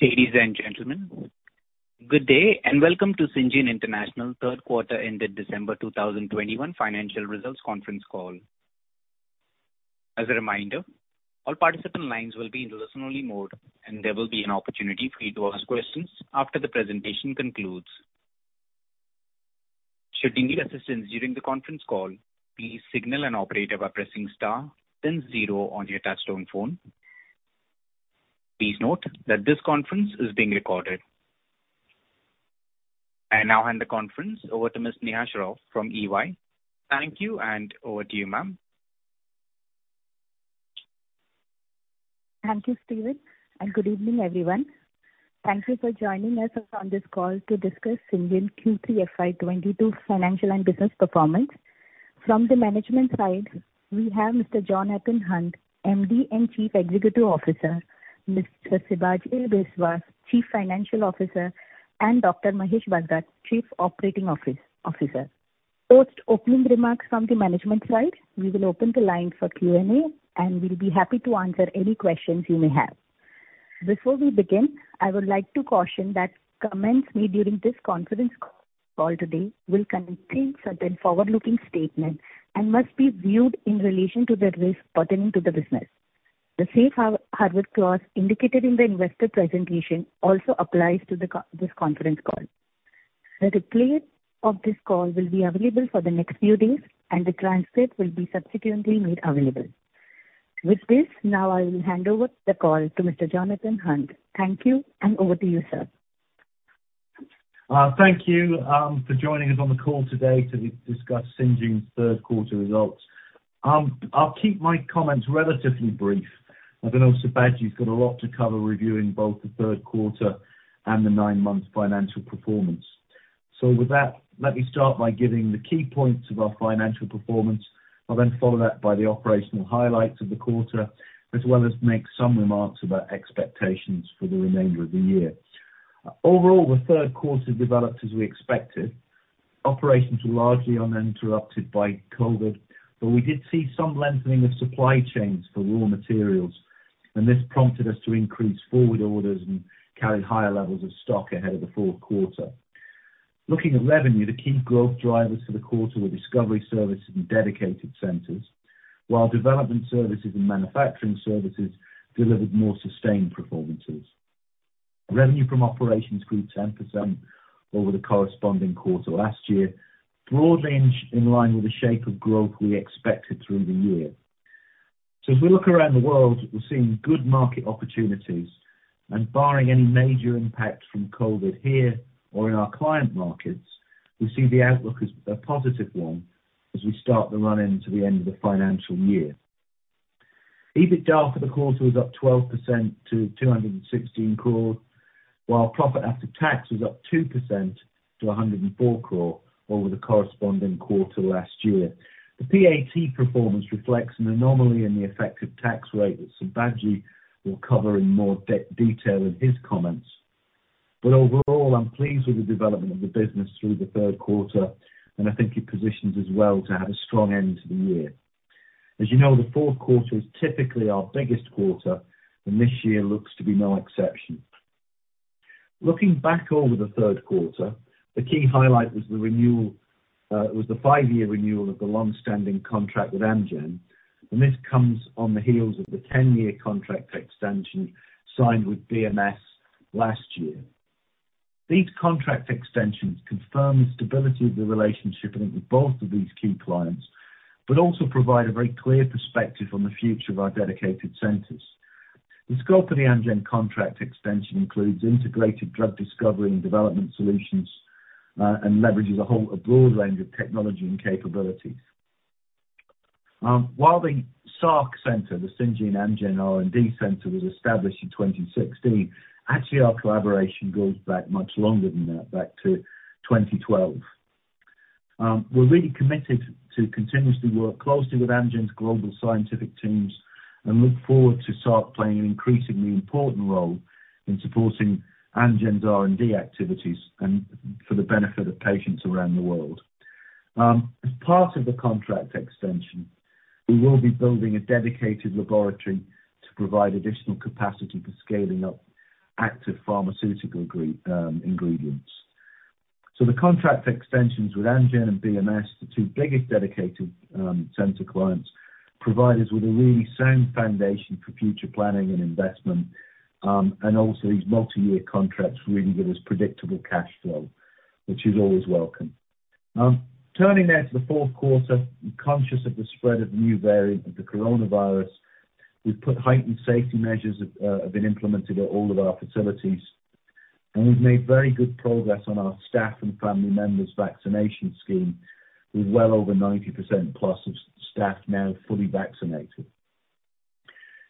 Ladies and gentlemen, good day and welcome to Syngene International Q3 ended December 2021 financial results conference call. As a reminder, all participant lines will be in listen-only mode, and there will be an opportunity for you to ask questions after the presentation concludes. Should you need assistance during the conference call, please signal an operator by pressing star then zero on your touch-tone phone. Please note that this conference is being recorded. I now hand the conference over to Miss Neha Shroff from EY. Thank you and over to you, ma'am. Thank you, Stephen, and good evening, everyone. Thank you for joining us on this call to discuss Syngene Q3 FY 2022 financial and business performance. From the management side, we have Mr. Jonathan Hunt, MD and Chief Executive Officer, Mr. Sibaji Biswas, Chief Financial Officer, and Dr. Mahesh Bhalgat, Chief Operating Officer. Post opening remarks from the management side, we will open the line for Q&A, and we'll be happy to answer any questions you may have. Before we begin, I would like to caution that comments made during this conference call today will contain certain forward-looking statements and must be viewed in relation to the risk pertaining to the business. The safe harbor clause indicated in the investor presentation also applies to this conference call. The replay of this call will be available for the next few days, and the transcript will be subsequently made available. With this, now I will hand over the call to Mr. Jonathan Hunt. Thank you, and over to you, sir. Thank you for joining us on the call today to discuss Syngene's Q3 results. I'll keep my comments relatively brief. I know Sibaj's got a lot to cover, reviewing both the Q3 and the nine-month financial performance. With that, let me start by giving the key points of our financial performance. I'll then follow that by the operational highlights of the quarter, as well as make some remarks about expectations for the remainder of the year. Overall, the Q3 developed as we expected. Operations were largely uninterrupted by COVID, but we did see some lengthening of supply chains for raw materials, and this prompted us to increase forward orders and carry higher levels of stock ahead of the Q4. Looking at revenue, the key growth drivers for the quarter were Discovery Services and Dedicated Centers, while Development Services and Manufacturing Services delivered more sustained performances. Revenue from operations grew 10% over the corresponding quarter last year, broadly in line with the shape of growth we expected through the year. As we look around the world, we're seeing good market opportunities, and barring any major impact from COVID here or in our client markets, we see the outlook as a positive one as we start the run-in to the end of the financial year. EBITDA for the quarter was up 12% to 216 crore, while profit after tax was up 2% to 104 crore over the corresponding quarter last year. The PAT performance reflects an anomaly in the effective tax rate that Sibaji will cover in more detail in his comments. Overall, I'm pleased with the development of the business through the Q3, and I think it positions us well to have a strong end to the year. As you know, the Q4 is typically our biggest quarter, and this year looks to be no exception. Looking back over the Q3, the key highlight was the five year renewal of the long-standing contract with Amgen, and this comes on the heels of the 10-year contract extension signed with BMS last year. These contract extensions confirm the stability of the relationship I think with both of these key clients, but also provide a very clear perspective on the future of our Dedicated Centers. The scope of the Amgen contract extension includes integrated drug discovery and development solutions, and leverages a broad range of technology and capabilities. While the SARC Center, the Syngene Amgen R&D Center, was established in 2016, actually, our collaboration goes back much longer than that, back to 2012. We're really committed to continuously work closely with Amgen's global scientific teams and look forward to SARC playing an increasingly important role in supporting Amgen's R&D activities and for the benefit of patients around the world. As part of the contract extension, we will be building a dedicated laboratory to provide additional capacity for scaling up active pharmaceutical ingredients. The contract extensions with Amgen and BMS, the two biggest dedicated center clients, provide us with a really sound foundation for future planning and investment, and also these multi-year contracts really give us predictable cashflow, which is always welcome. Turning now to the Q4. We're conscious of the spread of the new variant of the coronavirus. We've put heightened safety measures that have been implemented at all of our facilities, and we've made very good progress on our staff and family members' vaccination scheme, with well over 90% plus of staff now fully vaccinated.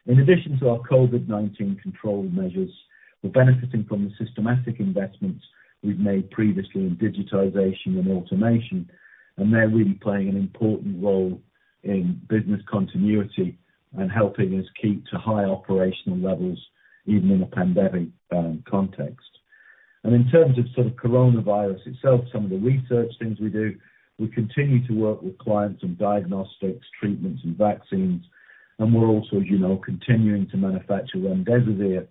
In addition to our COVID-19 control measures, we're benefiting from the systematic investments we've made previously in digitization and automation, and they're really playing an important role in business continuity and helping us keep to high operational levels, even in a pandemic context. In terms of sort of coronavirus itself, some of the research things we do, we continue to work with clients on diagnostics, treatments and vaccines, and we're also, as you know, continuing to manufacture remdesivir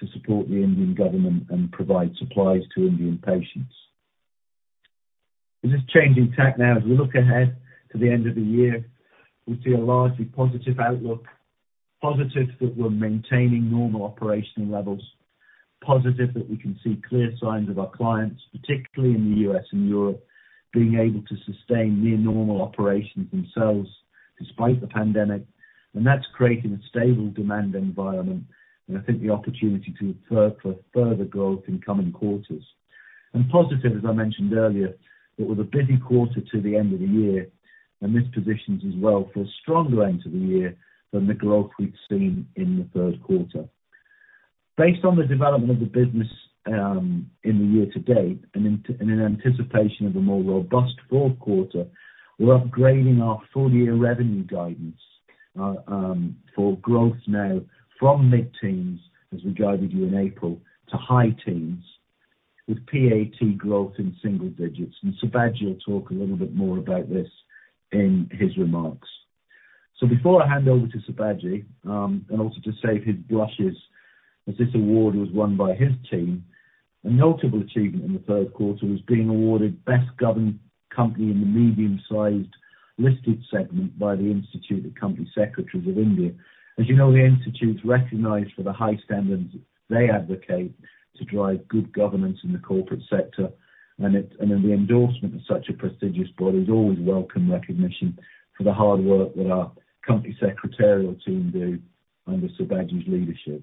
to support the Indian government and provide supplies to Indian patients. Just changing tack now, as we look ahead to the end of the year, we see a largely positive outlook. Positive that we're maintaining normal operational levels, positive that we can see clear signs of our clients, particularly in the U.S. and Europe, being able to sustain near normal operations themselves despite the pandemic. That's creating a stable demand environment, and I think the opportunity there for further growth in coming quarters. That's positive, as I mentioned earlier, that with a busy quarter to the end of the year, and this positions us well for a stronger end to the year than the growth we've seen in the Q3. Based on the development of the business, in the year to date and in anticipation of a more robust Q4, we're upgrading our full-year revenue guidance for growth now from mid-teens as we guided you in April, to high-teens% with PAT growth in single digits%. sibaji will talk a little bit more about this in his remarks. Before I hand over to sibaji, and also to save his blushes as this award was won by his team. A notable achievement in the Q3 was being awarded Best Governed Company in the medium-sized listed segment by the Institute of Company Secretaries of India. As you know, the institute's recognized for the high standards they advocate to drive good governance in the corporate sector, and then the endorsement of such a prestigious body is always welcome recognition for the hard work that our company secretarial team do under sibaji's leadership.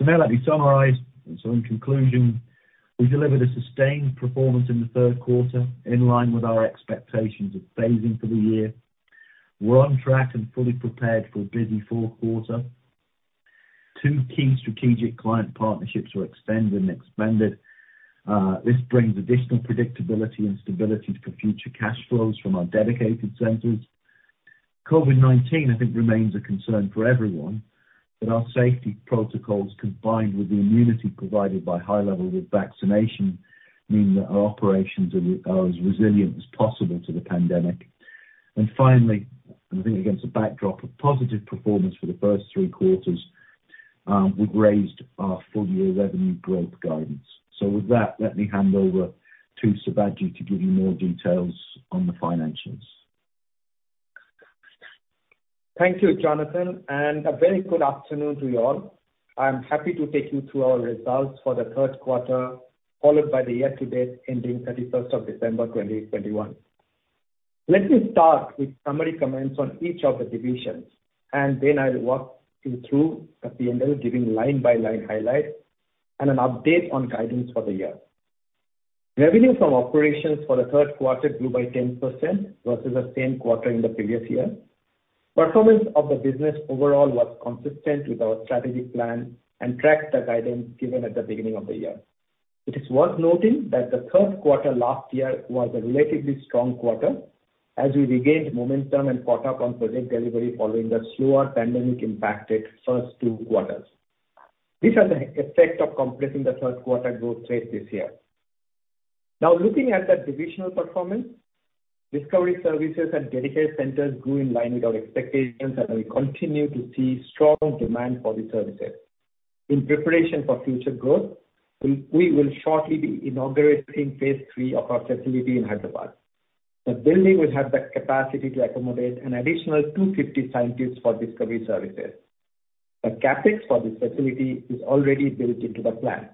Now let me summarize, in conclusion, we delivered a sustained performance in the Q3 in line with our expectations of phasing for the year. We're on track and fully prepared for a busy Q4. Two key strategic client partnerships were extended and expanded. This brings additional predictability and stability for future cash flows from our Dedicated Centers. COVID-19, I think remains a concern for everyone, but our safety protocols, combined with the immunity provided by high levels of vaccination, mean that our operations are as resilient as possible to the pandemic. Finally, I think against a backdrop of positive performance for the first three quarters, we've raised our full-year revenue growth guidance. With that, let me hand over to Sibaji to give you more details on the financials. Thank you, Jonathan, and a very good afternoon to you all. I'm happy to take you through our results for the Q3, followed by the year-to-date ending 31st December 2021. Let me start with summary comments on each of the divisions, and then I'll walk you through the P&L, giving line-by-line highlights and an update on guidance for the year. Revenue from operations for the Q3 grew by 10% versus the same quarter in the previous year. Performance of the business overall was consistent with our strategic plan and tracked the guidance given at the beginning of the year. It is worth noting that the Q3 last year was a relatively strong quarter as we regained momentum and caught up on project delivery following the slower pandemic impacted first two quarters. These are the effects of compressing the Q3 growth rate this year. Now, looking at the divisional performance, Discovery Services and Dedicated Centers grew in line with our expectations, and we continue to see strong demand for these services. In preparation for future growth, we will shortly be inaugurating phase three of our facility in Hyderabad. The building will have the capacity to accommodate an additional 250 scientists for Discovery Services. The CapEx for this facility is already built into the plan.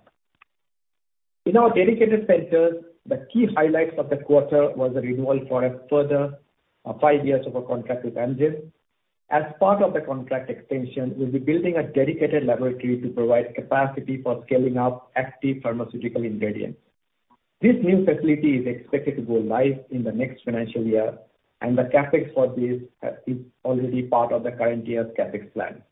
In our Dedicated Centers, the key highlights of the quarter was a renewal for a further five years of a contract with Amgen. As part of the contract extension, we'll be building a dedicated laboratory to provide capacity for scaling up active pharmaceutical ingredients. This new facility is expected to go live in the next financial year, and the CapEx for this is already part of the current year's CapEx plan.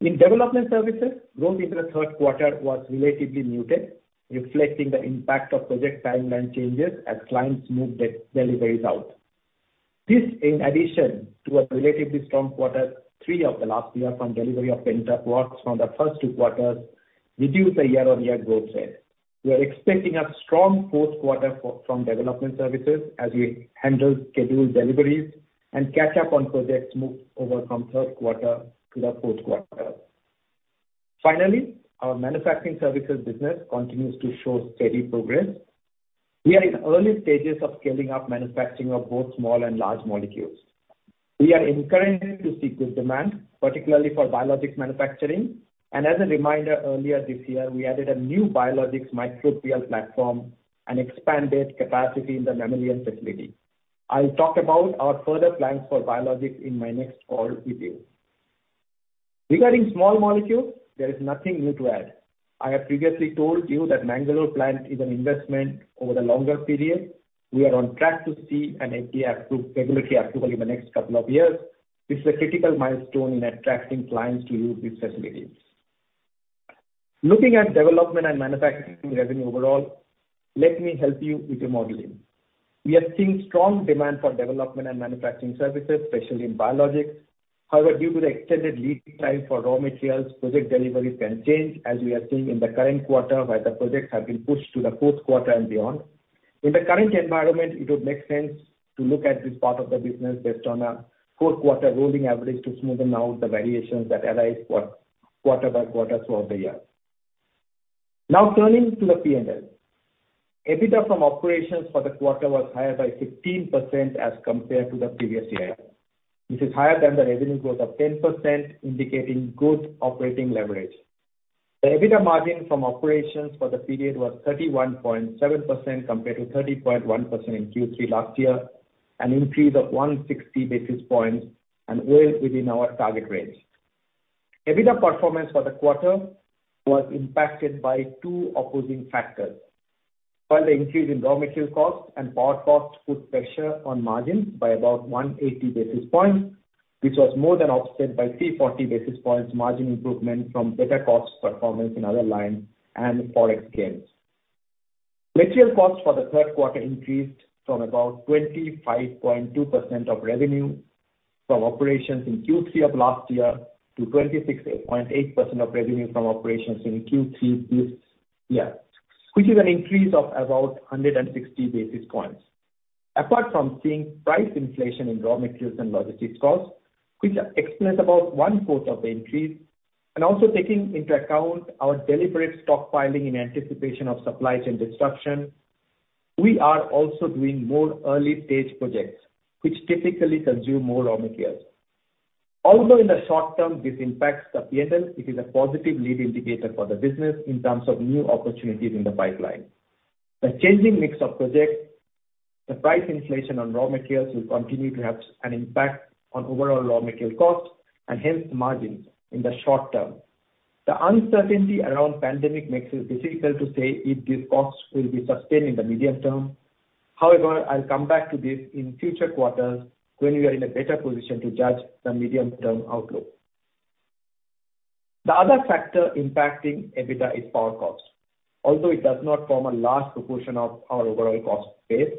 In Development Services, growth in the Q3 was relatively muted, reflecting the impact of project timeline changes as clients moved the deliveries out. This, in addition to a relatively strong quarter three of the last year from delivery of pent-up works from the first two quarters, reduced the year-on-year growth rate. We are expecting a strong Q4 from Development Services as we handle scheduled deliveries and catch up on projects moved over from Q3 to the Q4. Finally, our Manufacturing Services business continues to show steady progress. We are in early stages of scaling up manufacturing of both small and large molecules. We are encouraged to see good demand, particularly for biologics manufacturing. As a reminder, earlier this year, we added a new biologics microbial platform and expanded capacity in the Mammalian facility. I'll talk about our further plans for biologics in my next call with you. Regarding small molecules, there is nothing new to add. I have previously told you that Bangalore plant is an investment over the longer period. We are on track to see an FDA-approved regulatory approval in the next couple of years, which is a critical milestone in attracting clients to use these facilities. Looking at development and manufacturing revenue overall, let me help you with your modeling. We are seeing strong demand for development and manufacturing services, especially in biologics. However, due to the extended lead time for raw materials, project deliveries can change as we are seeing in the current quarter, where the projects have been pushed to the Q4 and beyond. In the current environment, it would make sense to look at this part of the business based on a core quarter rolling average to smoothen out the variations that arise quarter-by-quarter throughout the year. Now turning to the P&L. EBITDA from operations for the quarter was higher by 15% as compared to the previous year, which is higher than the revenue growth of 10%, indicating good operating leverage. The EBITDA margin from operations for the period was 31.7% compared to 30.1% in Q3 last year, an increase of 160 basis points and well within our target range. EBITDA performance for the quarter was impacted by two opposing factors. While the increase in raw material costs and power costs put pressure on margins by about 180 basis points, which was more than offset by 340 basis points margin improvement from better cost performance in other lines and ForEx gains. Material costs for the Q3 increased from about 25.2% of revenue from operations in Q3 of last year to 26.8% of revenue from operations in Q3 this year, which is an increase of about 160 basis points. Apart from seeing price inflation in raw materials and logistics costs, which explains about one-fourth of the increase, and also taking into account our deliberate stockpiling in anticipation of supply chain disruption, we are also doing more early-stage projects which typically consume more raw materials. Although in the short term this impacts the P&L, it is a positive lead indicator for the business in terms of new opportunities in the pipeline. The changing mix of projects, the price inflation on raw materials will continue to have an impact on overall raw material costs and hence margins in the short term. The uncertainty around pandemic makes it difficult to say if these costs will be sustained in the medium term. However, I'll come back to this in future quarters when we are in a better position to judge the medium-term outlook. The other factor impacting EBITDA is power costs. Although it does not form a large proportion of our overall cost base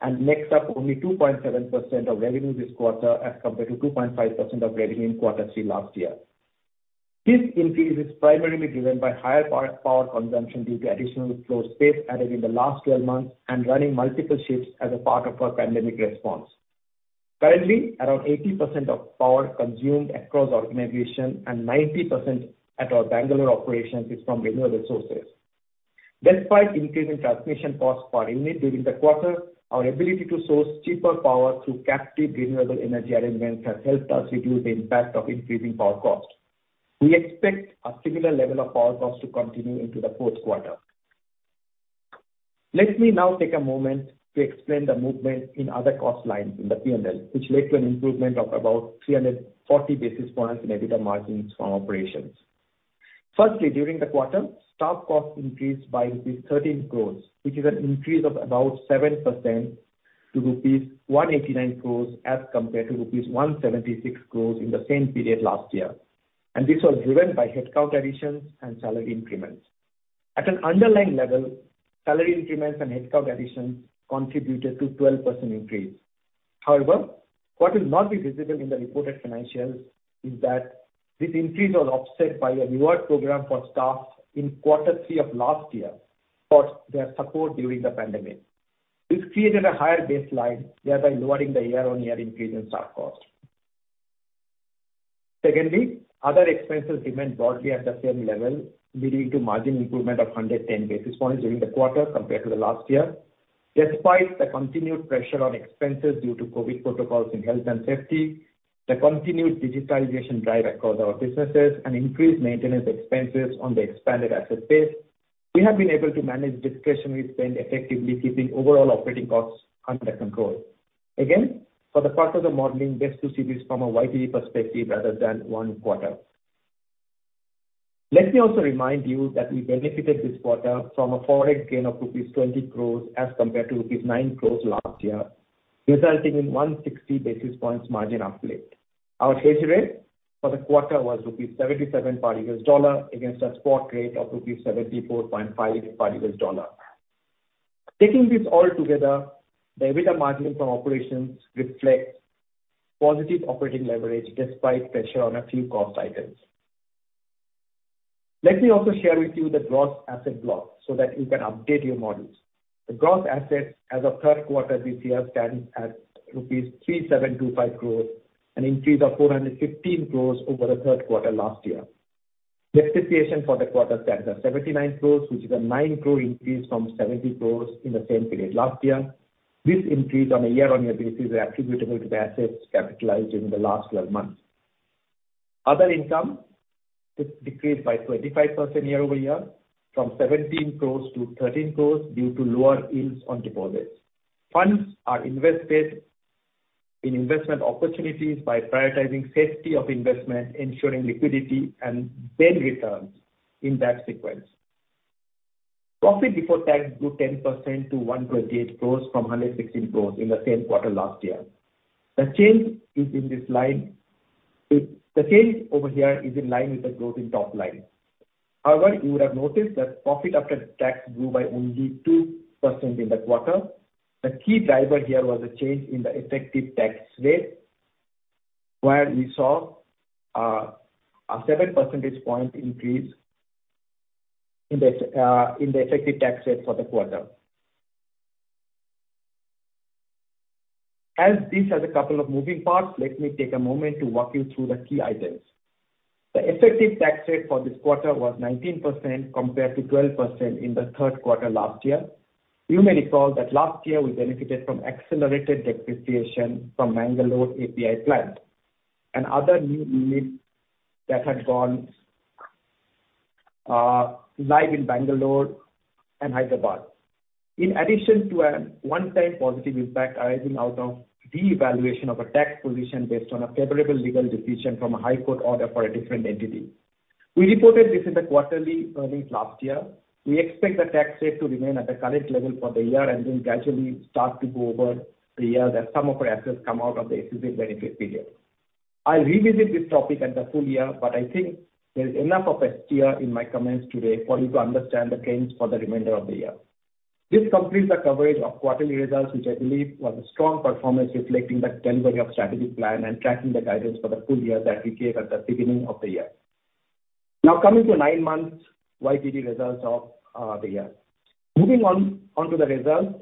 and makes up only 2.7% of revenue this quarter as compared to 2.5% of revenue in quarter three last year. This increase is primarily driven by higher power consumption due to additional floor space added in the last 12 months and running multiple shifts as a part of our pandemic response. Currently, around 80% of power consumed across the organization and 90% at our Bangalore operations is from renewable sources. Despite increase in transmission costs per unit during the quarter, our ability to source cheaper power through captive renewable energy arrangements has helped us reduce the impact of increasing power costs. We expect a similar level of power costs to continue into the Q4. Let me now take a moment to explain the movement in other cost lines in the P&L, which led to an improvement of about 340 basis points in EBITDA margins from operations. Firstly, during the quarter, staff costs increased by rupees 13 crore, which is an increase of about 7% to rupees 189 crore as compared to rupees 176 crore in the same period last year, and this was driven by headcount additions and salary increments. At an underlying level, salary increments and headcount additions contributed to 12% increase. However, what will not be visible in the reported financials is that this increase was offset by a reward program for staff in quarter 3 of last year for their support during the pandemic. This created a higher baseline, thereby lowering the year-on-year increase in staff costs. Secondly, other expenses remained broadly at the same level, leading to margin improvement of 110 basis points during the quarter compared to the last year. Despite the continued pressure on expenses due to COVID protocols in health and safety, the continued digitalization drive across our businesses, and increased maintenance expenses on the expanded asset base, we have been able to manage discretionary spend effectively, keeping overall operating costs under control. Again, for the part of the modeling, best to see this from a YTD perspective rather than one quarter. Let me also remind you that we benefited this quarter from a ForEx gain of rupees 20 crore as compared to rupees 9 crore last year, resulting in 160 basis points margin uplift. Our hedge rate for the quarter was rupees 77 per US dollar against a spot rate of rupees 74.5 per US dollar. Taking this all together, the EBITDA margin from operations reflects positive operating leverage despite pressure on a few cost items. Let me also share with you the gross asset block so that you can update your models. The gross assets as of Q3 this year stands at rupees 3,725 crores, an increase of 415 crores over the Q3 last year. Depreciation for the quarter stands at 79 crores, which is a nine crore increase from 70 crores in the same period last year. This increase on a year-over-year basis is attributable to the assets capitalized during the last twelve months. Other income decreased by 25% year-over-year from 17 crores to 13 crores due to lower yields on deposits. Funds are invested in investment opportunities by prioritizing safety of investment, ensuring liquidity and then returns in that sequence. Profit before tax grew 10% to 128 crores from 116 crores in the same quarter last year. The change over here is in line with the growth in top line. However, you would have noticed that profit after tax grew by only 2% in the quarter. The key driver here was a change in the effective tax rate, where we saw a 7% point increase in the effective tax rate for the quarter. As this has a couple of moving parts, let me take a moment to walk you through the key items. The effective tax rate for this quarter was 19% compared to 12% in the Q3 last year. You may recall that last year we benefited from accelerated depreciation from Bangalore API plant and other new units that had gone live in Bangalore and Hyderabad. In addition to a one-time positive impact arising out of revaluation of a tax position based on a favorable legal decision from a high court order for a different entity, we reported this in the quarterly earnings last year. We expect the tax rate to remain at the current level for the year and then gradually start to go over the year that some of our assets come out of the ACC benefit period. I'll revisit this topic at the full year, but I think there is enough of a steer in my comments today for you to understand the trends for the remainder of the year. This completes the coverage of quarterly results, which I believe was a strong performance reflecting the delivery of strategic plan and tracking the guidance for the full year that we gave at the beginning of the year. Now coming to nine months YTD results of the year. Moving on to the results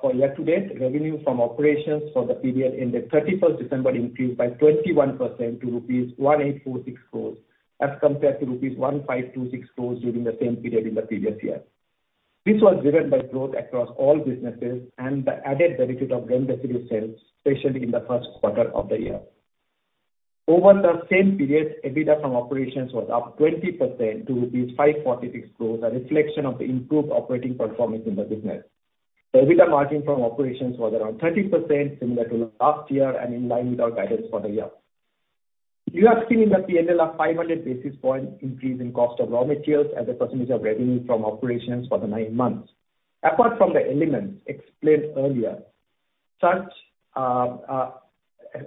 for year to date, revenue from operations for the period ended 31 December increased by 21% to rupees 1,846 crores, as compared to rupees 1,526 crores during the same period in the previous year. This was driven by growth across all businesses and the added benefit of vendor sales, especially in the Q1 of the year. Over the same period, EBITDA from operations was up 20% to rupees 546 crores, a reflection of the improved operating performance in the business. The EBITDA margin from operations was around 30% similar to last year and in line with our guidance for the year. You have seen in the P&L a 500 basis point increase in cost of raw materials as a percentage of revenue from operations for the nine months. Apart from the elements explained earlier, such as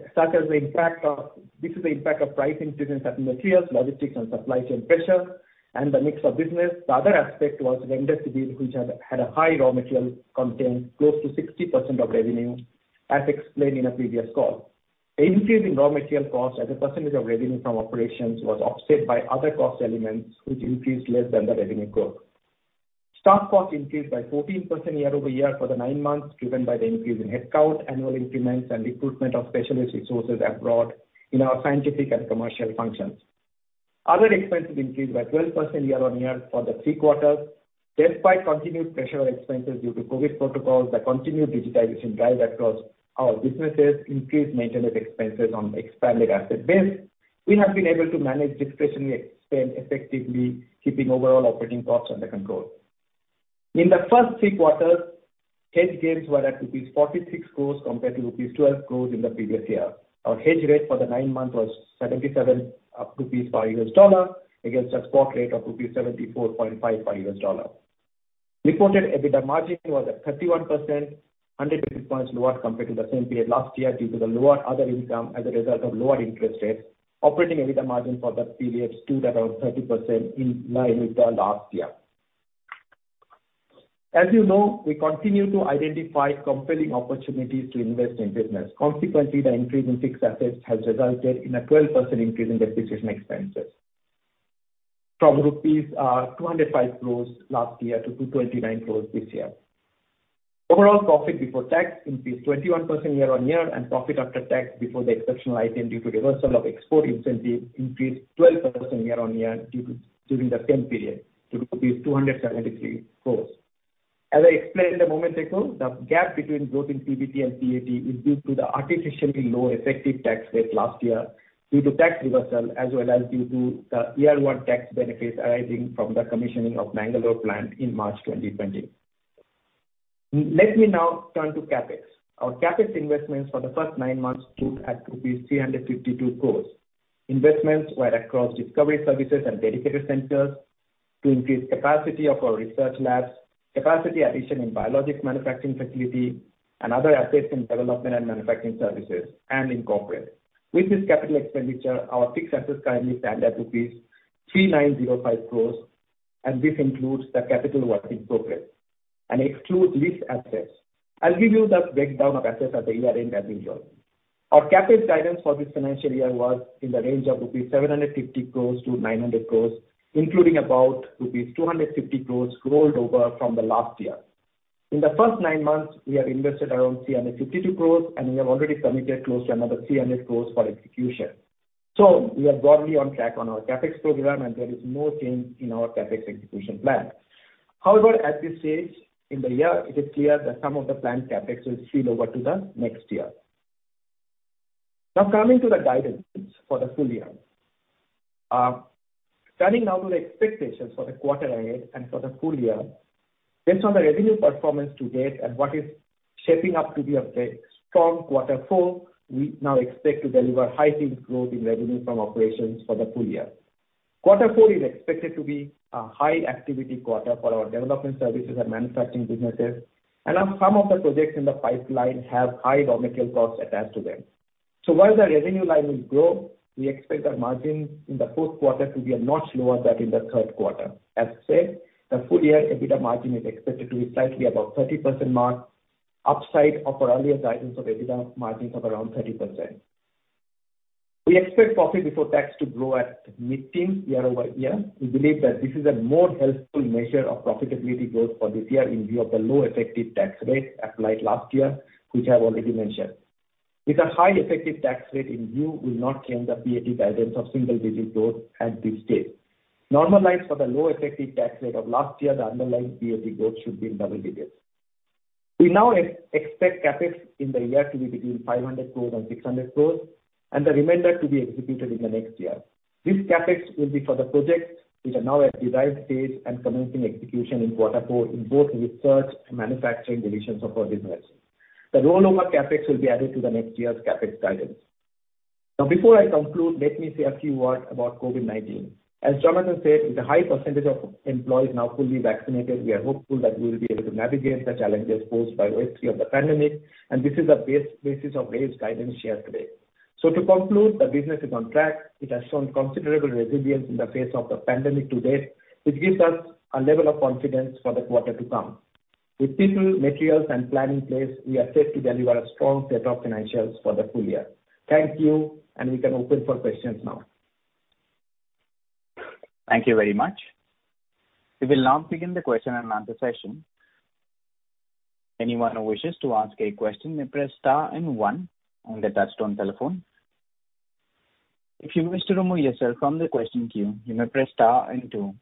the impact of price increase in certain materials, logistics and supply chain pressure, and the mix of business. The other aspect was vendor CDMO which had a high raw material content, close to 60% of revenue, as explained in a previous call. The increase in raw material costs as a percentage of revenue from operations was offset by other cost elements which increased less than the revenue growth. Staff costs increased by 14% year-over-year for the nine months, driven by the increase in headcount, annual increments and recruitment of specialist resources abroad in our scientific and commercial functions. Other expenses increased by 12% year-on-year for the three quarters, despite continued pressure on expenses due to COVID protocols, the continued digitization drive across our businesses, increased maintenance expenses on expanded asset base. We have been able to manage discretionary spend effectively, keeping overall operating costs under control. In the first three quarters, hedge gains were at rupees 46 crores compared to rupees 12 crores in the previous year. Our hedge rate for the nine months was 77 rupees per US dollar against a spot rate of rupees 74.5 per US dollar. Reported EBITDA margin was at 31%, 100 basis points lower compared to the same period last year due to the lower other income as a result of lower interest rates. Operating EBITDA margin for the period stood around 30% in line with the last year. As you know, we continue to identify compelling opportunities to invest in business. Consequently, the increase in fixed assets has resulted in a 12% increase in depreciation expenses from rupees 205 crores last year to 229 crores this year. Overall profit before tax increased 21% year-on-year and profit after tax before the exceptional item due to reversal of export incentive increased 12% year-on-year during the same period to 273 crores. As I explained a moment ago, the gap between growth in PBT and PAT is due to the artificially low effective tax rate last year due to tax reversal as well as due to the year one tax benefits arising from the commissioning of Bangalore plant in March 2020. Let me now turn to CapEx. Our CapEx investments for the first nine months stood at rupees 352 crores. Investments were across Discovery Services and Dedicated Centers to increase capacity of our research labs, capacity addition in biologics manufacturing facility and other assets in Development and Manufacturing Services and in corporate. With this capital expenditure, our fixed assets currently stand at rupees 3,905 crores, and this includes the capital work in progress and excludes leased assets. I'll give you the breakdown of assets at the year-end as usual. Our CapEx guidance for this financial year was in the range of 750 crores-900 crores rupees, including about rupees 250 crores rolled over from the last year. In the first nine months, we have invested around 352 crore and we have already committed close to another 300 crore for execution. We are broadly on track on our CapEx program and there is no change in our CapEx execution plan. However, at this stage in the year, it is clear that some of the planned CapEx will spill over to the next year. Now coming to the guidance for the full year. Turning now to the expectations for the quarter ahead and for the full year. Based on the revenue performance to date and what is shaping up to be a very strong quarter four, we now expect to deliver high teens% growth in revenue from operations for the full year. Quarter four is expected to be a high activity quarter for our Development Services and Manufacturing Services businesses, and, some of the projects in the pipeline have high raw material costs attached to them. So while the revenue line will grow, we expect our margin in the Q4 to be a notch lower than in the Q3. As said, the full-year EBITDA margin is expected to be slightly above 30% mark, upside of our earlier guidance of EBITDA margins of around 30%. We expect profit before tax to grow at mid-teens year-over-year. We believe that this is a more helpful measure of profitability growth for this year in view of the low effective tax rate applied last year, which I've already mentioned. With a high effective tax rate in view will not change the PAT guidance of single-digit growth at this stage. Normalized for the low effective tax rate of last year, the underlying PAT growth should be in double digits. We now expect CapEx in the year to be between 500 crore and 600 crore, and the remainder to be executed in the next year. This CapEx will be for the projects which are now at design stage and commencing execution in quarter four in both research and manufacturing divisions of our business. The rollover CapEx will be added to the next year's CapEx guidance. Now, before I conclude, let me say a few words about COVID-19. As Jonathan said, with a high percentage of employees now fully vaccinated, we are hopeful that we will be able to navigate the challenges posed by the rest of the pandemic, and this is the basis of our guidance shared today. To conclude, the business is on track. It has shown considerable resilience in the face of the pandemic to date, which gives us a level of confidence for the quarter to come. With people, materials, and plan in place, we are set to deliver a strong set of financials for the full year. Thank you, and we can open for questions now. Thank you very much. We will now begin the question and answer session. Anyone who wishes to ask a question may press star and one on their touchtone telephone. If you wish to remove yourself from the question queue, you may press star and two.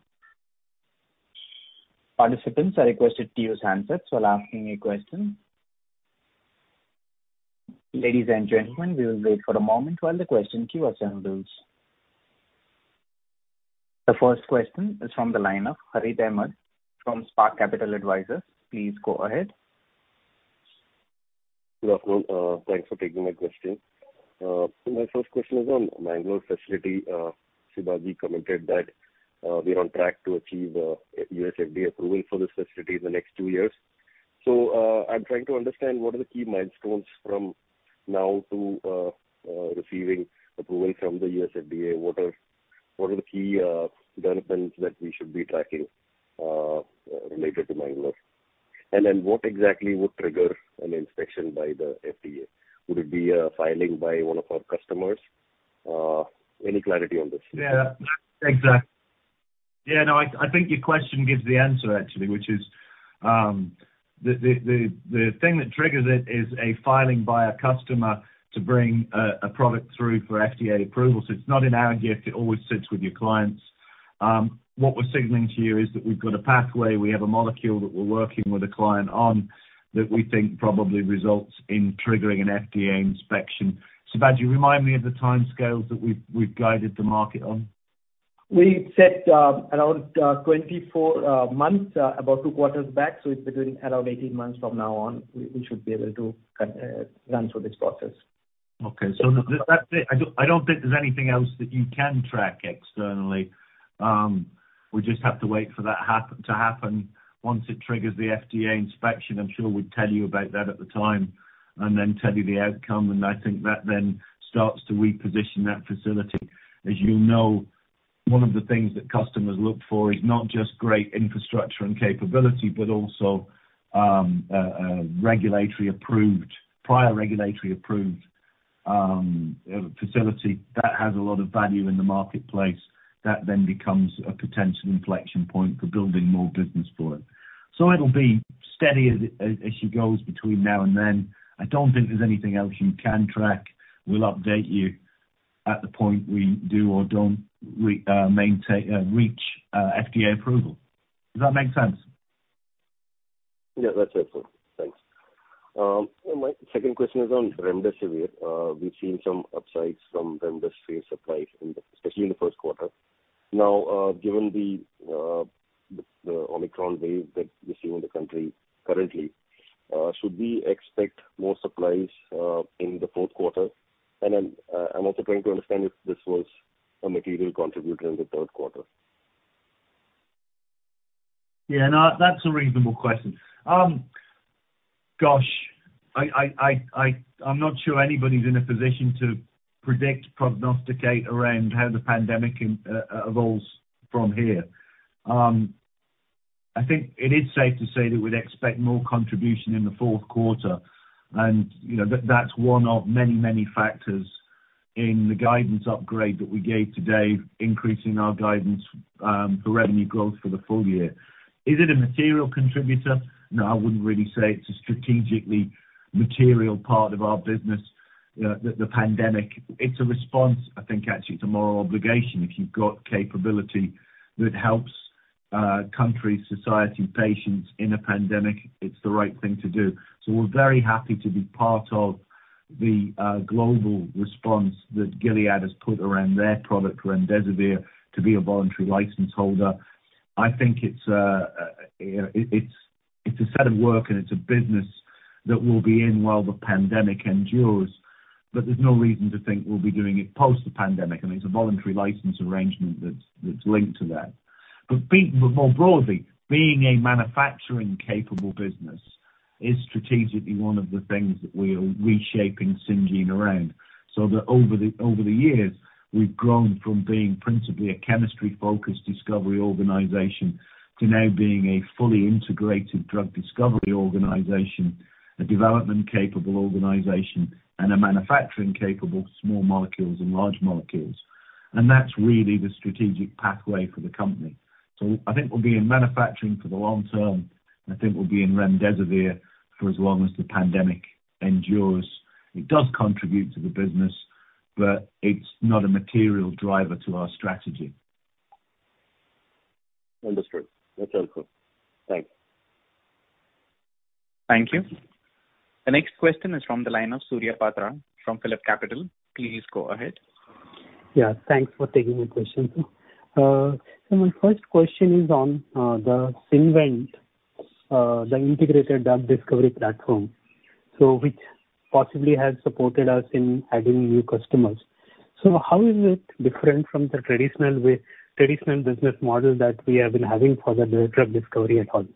Participants are requested to use handsets while asking a question. Ladies and gentlemen, we will wait for a moment while the question queue assembles. The first question is from the line of Harith Ahamed from Spark Capital Advisors. Please go ahead. Good afternoon. Thanks for taking my question. My first question is on Bangalore facility. Sibaji commented that we're on track to achieve U.S. FDA approval for this facility in the next two years. I'm trying to understand what are the key milestones from now to receiving approval from the U.S. FDA. What are the key developments that we should be tracking related to Bangalore? And then what exactly would trigger an inspection by the FDA? Would it be a filing by one of our customers? Any clarity on this? Yeah. Thanks, Harith. Yeah, no, I think your question gives the answer actually, which is, the thing that triggers it is a filing by a customer to bring a product through for FDA approval. So it's not in our gift. It always sits with your clients. What we're signaling to you is that we've got a pathway, we have a molecule that we're working with a client on that we think probably results in triggering an FDA inspection. Sibaji, remind me of the timescales that we've guided the market on. We said around 24 months about Q2 back. It's between around 18 months from now on we should be able to run through this process. Okay. That's it. I don't think there's anything else that you can track externally. We just have to wait for that to happen. Once it triggers the FDA inspection, I'm sure we'd tell you about that at the time and then tell you the outcome, and I think that then starts to reposition that facility. As you know, one of the things that customers look for is not just great infrastructure and capability, but also regulatory approved, prior regulatory approved facility that has a lot of value in the marketplace. That then becomes a potential inflection point for building more business for it. It'll be steady as she goes between now and then. I don't think there's anything else you can track. We'll update you at the point we do or don't reach FDA approval. Does that make sense? Yeah, that's helpful. Thanks. My second question is on remdesivir. We've seen some upsides from remdesivir supplies in the Q1. Now, given the Omicron wave that we see in the country currently, should we expect more supplies in the Q4? I'm also trying to understand if this was a material contributor in the Q3. Yeah, no, that's a reasonable question. Gosh, I'm not sure anybody's in a position to predict, prognosticate around how the pandemic evolves from here. I think it is safe to say that we'd expect more contribution in the Q4. You know, that's one of many factors in the guidance upgrade that we gave today, increasing our guidance for revenue growth for the full year. Is it a material contributor? No, I wouldn't really say it's a strategically material part of our business, the pandemic. It's a response. I think actually it's a moral obligation. If you've got capability that helps countries, society, patients in a pandemic, it's the right thing to do. We're very happy to be part of the global response that Gilead has put around their product, remdesivir, to be a voluntary license holder. I think it's a set of work and it's a business that we'll be in while the pandemic endures, but there's no reason to think we'll be doing it post the pandemic. I mean, it's a voluntary license arrangement that's linked to that. But more broadly, being a manufacturing capable business is strategically one of the things that we are reshaping Syngene around, so that over the years, we've grown from being principally a chemistry-focused discovery organization to now being a fully integrated drug discovery organization, a development capable organization, and a manufacturing capable small molecules and large molecules. That's really the strategic pathway for the company. I think we'll be in manufacturing for the long term. I think we'll be in remdesivir for as long as the pandemic endures. It does contribute to the business, but it's not a material driver to our strategy. Understood. That's helpful. Thanks. Thank you. The next question is from the line of Surya Patra from PhillipCapital. Please go ahead. Yeah, thanks for taking the question. My first question is on the SynVent, the integrated drug discovery platform, which possibly has supported us in adding new customers. How is it different from the traditional way, traditional business model that we have been having for the new drug discovery at home?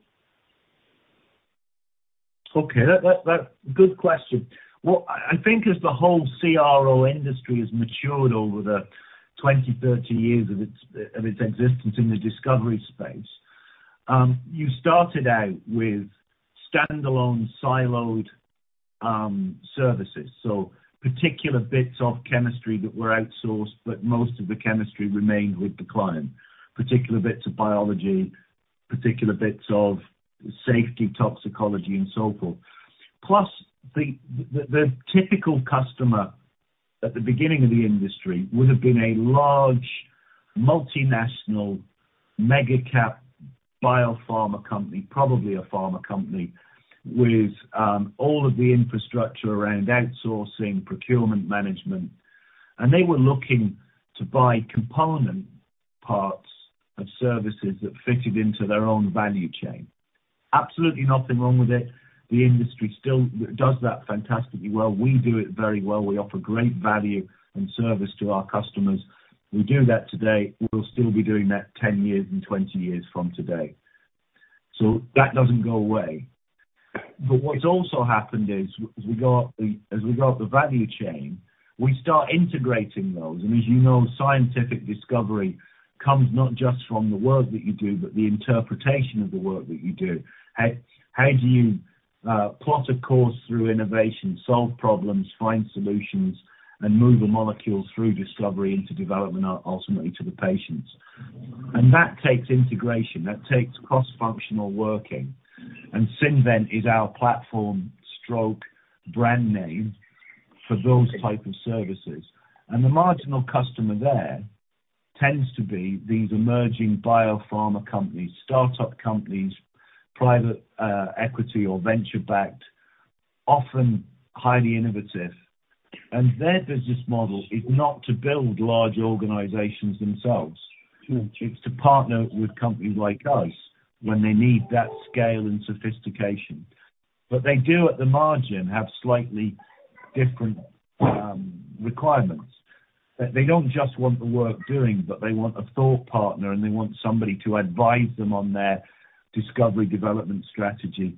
Okay, that's a good question. Well, I think as the whole CRO industry has matured over the 20-30 years of its existence in the discovery space, you started out with stand-alone siloed services. Particular bits of chemistry that were outsourced, but most of the chemistry remained with the client. Particular bits of biology, particular bits of safety, toxicology, and so forth. Plus the typical customer at the beginning of the industry would have been a large, multinational, mega cap biopharma company, probably a pharma company with all of the infrastructure around outsourcing, procurement management. They were looking to buy component parts of services that fitted into their own value chain. Absolutely nothing wrong with it. The industry still does that fantastically well. We do it very well. We offer great value and service to our customers. We do that today. We'll still be doing that 10 years and 20 years from today. That doesn't go away. What's also happened is, as we go up the value chain, we start integrating those. As you know, scientific discovery comes not just from the work that you do, but the interpretation of the work that you do. How do you plot a course through innovation, solve problems, find solutions, and move the molecules through discovery into development, ultimately to the patients? That takes integration, that takes cross-functional working. SynVent is our platform stroke brand name for those type of services. The marginal customer there tends to be these emerging biopharma companies, start-up companies, private equity or venture-backed, often highly innovative. Their business model is not to build large organizations themselves. Sure. It's to partner with companies like us when they need that scale and sophistication. They do at the margin have slightly different requirements. That they don't just want the work doing, but they want a thought partner, and they want somebody to advise them on their discovery development strategy.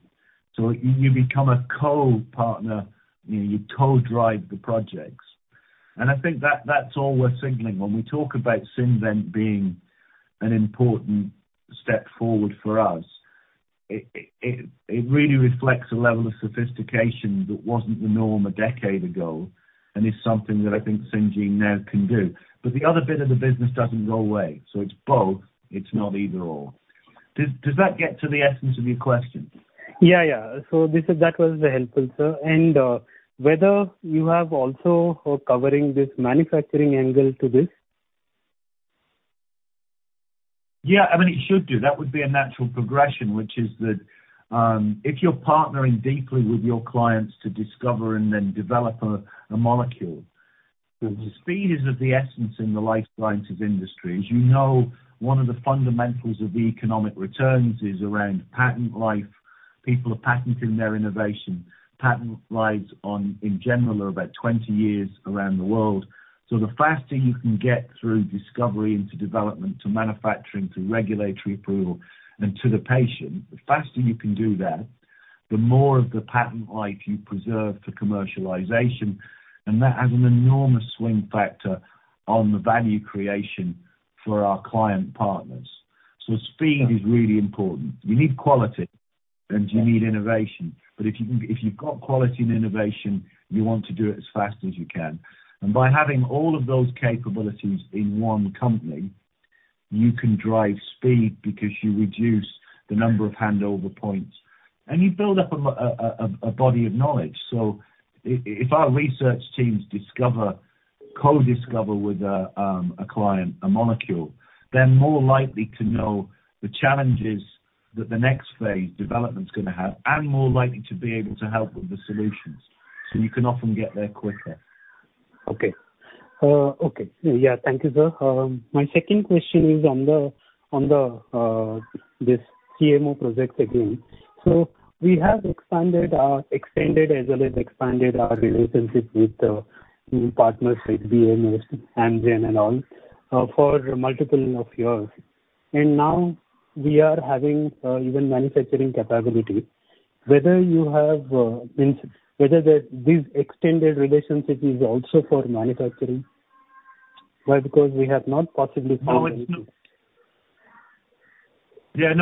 You become a co-partner. You know, you co-drive the projects. I think that's all we're signaling. When we talk about SynVent being an important step forward for us, it really reflects a level of sophistication that wasn't the norm a decade ago and is something that I think Syngene now can do. The other bit of the business doesn't go away. It's both. It's not either/or. Does that get to the essence of your question? Yeah, yeah. That was helpful, sir. Whether you have also covering this manufacturing angle to this? Yeah. I mean, it should do. That would be a natural progression, which is that, if you're partnering deeply with your clients to discover and then develop a molecule. The speed is of the essence in the life sciences industry. As you know, one of the fundamentals of the economic returns is around patent life. People are patenting their innovation. Patent lives, in general, are about 20 years around the world. The faster you can get through discovery into development to manufacturing to regulatory approval and to the patient, the faster you can do that, the more of the patent life you preserve for commercialization. That has an enormous swing factor on the value creation for our client partners. Speed is really important. You need quality, and you need innovation. If you, if you've got quality and innovation, you want to do it as fast as you can. By having all of those capabilities in one company, you can drive speed because you reduce the number of handover points, and you build up a body of knowledge. If our research teams discover, co-discover with a client, a molecule, they're more likely to know the challenges that the next phase development's gonna have and more likely to be able to help with the solutions. You can often get there quicker. Thank you, sir. My second question is on the CMO projects again. We have extended as well as expanded our relationships with new partners, with BMS, Amgen, for multiple years. Now we are having even manufacturing capability. Whether this extended relationship is also for manufacturing. Why? Because we have not possibly No,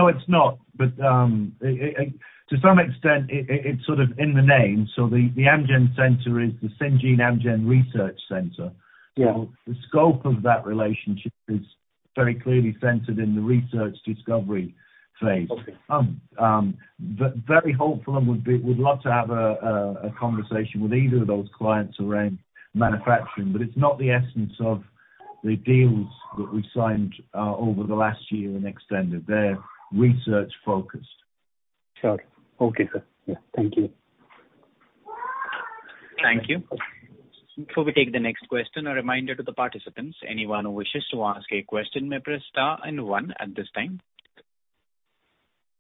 it's not. To some extent, it's sort of in the name. The Amgen center is the Syngene Amgen Research Center. Yeah. The scope of that relationship is very clearly centered in the research discovery phase. Okay. Very hopeful and we'd love to have a conversation with either of those clients around manufacturing. It's not the essence of the deals that we've signed over the last year and extended. They're research-focused. Sure. Okay, sir. Yeah, thank you. Thank you. Before we take the next question, a reminder to the participants, anyone who wishes to ask a question, may press star and one at this time.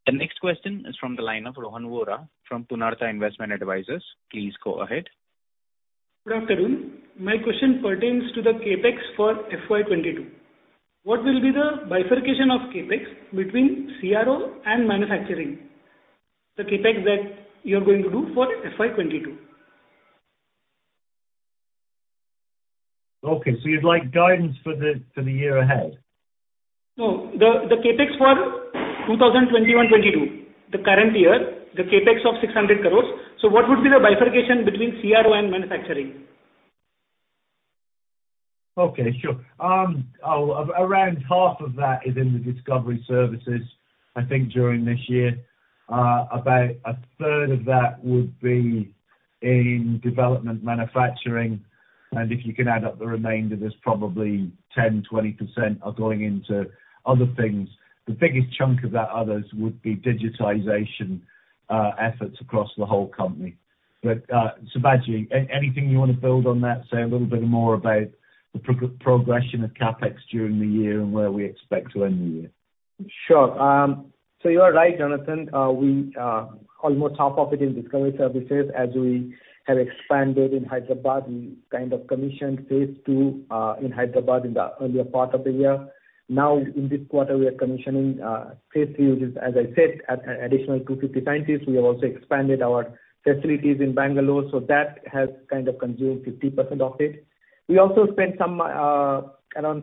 The next question is from the line of Rohan Vora from Purnartha Investment Advisors. Please go ahead. Good afternoon. My question pertains to the CapEx for FY 22. What will be the bifurcation of CapEx between CRO and manufacturing, the CapEx that you're going to do for FY 22? Okay, you'd like guidance for the year ahead? No. The CapEx for 2021-22, the current year, the CapEx of 600 crores. What would be the bifurcation between CRO and manufacturing? Okay, sure. Around half of that is in the Discovery Services, I think, during this year. About a third of that would be in development manufacturing. If you can add up the remainder, there's probably 10%-20% going into other things. The biggest chunk of that others would be digitization efforts across the whole company. sibaji, anything you wanna build on that? Say a little bit more about the progression of CapEx during the year and where we expect to end the year. Sure. You are right, Jonathan. We almost half of it in Discovery Services as we have expanded in Hyderabad. We kind of commissioned phase II in Hyderabad in the earlier part of the year. Now, in this quarter, we are commissioning phase III, which is, as I said, at an additional 250 scientists. We have also expanded our facilities in Bangalore, so that has kind of consumed 50% of it. We also spent some around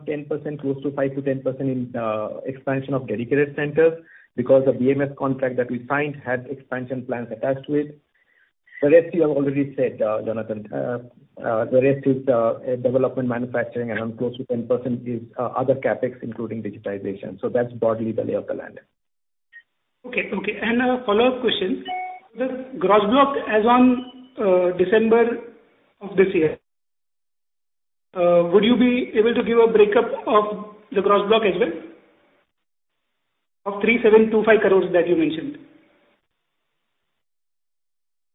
10%, close to 5%-10% in expansion of Dedicated Centers because the BMS contract that we signed had expansion plans attached to it. The rest you have already said, Jonathan. The rest is development manufacturing around close to 10% is other CapEx, including digitization. That's broadly the lay of the land. Okay, okay. A follow-up question. The gross block as on December of this year, would you be able to give a breakup of the gross block as well? Of 3,725 crores that you mentioned.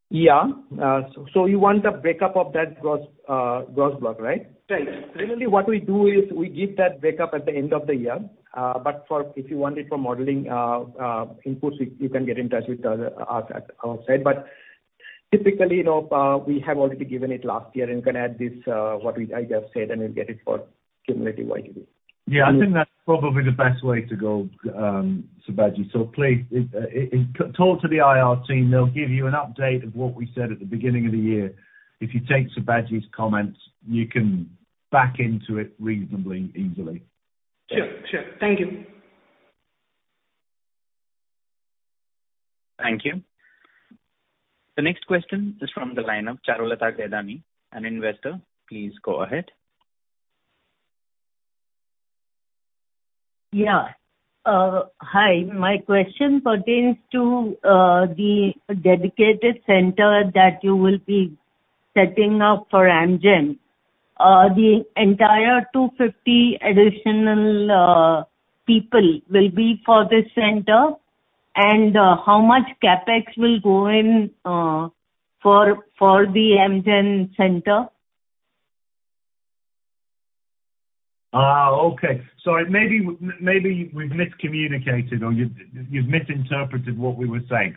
Yeah. You want the breakup of that gross block, right? Right. Generally, what we do is we give that breakup at the end of the year. If you want it for modeling inputs, you can get in touch with us at our site. Typically, you know, we have already given it last year and can add this, what I just said, and you'll get it for cumulative YTD. Yeah, I think that's probably the best way to go, sibaji. Please, talk to the IR team. They'll give you an update of what we said at the beginning of the year. If you take sibaji's comments, you can back into it reasonably easily. Sure. Thank you. Thank you. The next question is from the line of Charulata Gaidhani, an investor. Please go ahead. Yeah. Hi. My question pertains to the dedicated center that you will be setting up for Amgen. The entire 250 additional people will be for this center, and how much CapEx will go in for the Amgen center? Okay. Sorry. Maybe we've miscommunicated or you've misinterpreted what we were saying.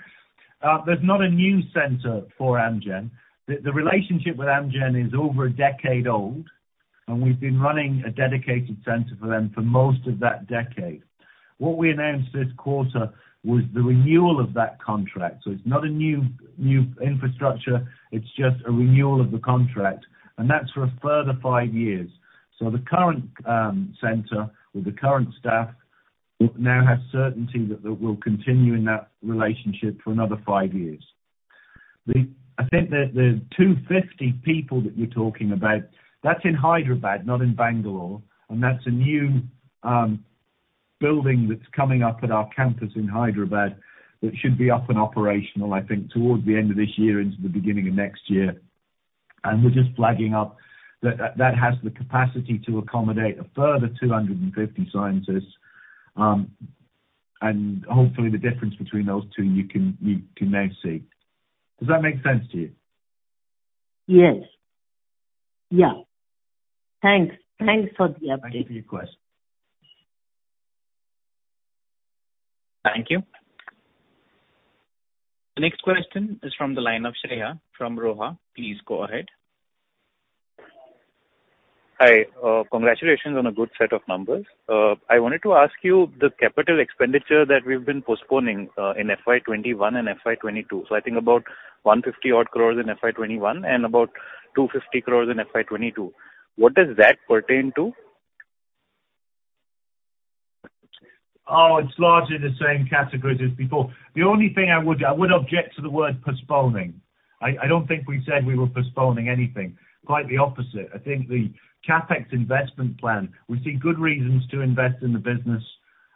There's not a new center for Amgen. The relationship with Amgen is over a decade old, and we've been running a dedicated center for them for most of that decade. What we announced this quarter was the renewal of that contract, so it's not a new infrastructure, it's just a renewal of the contract. That's for a further five years. The current center with the current staff now has certainty that we'll continue in that relationship for another five years. I think the 250 people that you're talking about, that's in Hyderabad, not in Bangalore. That's a new building that's coming up at our campus in Hyderabad that should be up and operational, I think, towards the end of this year into the beginning of next year. We're just flagging up that that has the capacity to accommodate a further 250 scientists, and hopefully the difference between those two, you can now see. Does that make sense to you? Yes. Yeah. Thanks for the update. Thank you. The next question is from the line of Shreya from Roha. Please go ahead. Hi. Congratulations on a good set of numbers. I wanted to ask you the capital expenditure that we've been postponing in FY 2021 and FY 2022. I think about 150 odd crores in FY 2021 and about 250 crores in FY 2022. What does that pertain to? Oh, it's largely the same category as before. The only thing I would object to the word postponing. I don't think we said we were postponing anything. Quite the opposite. I think the CapEx investment plan, we see good reasons to invest in the business.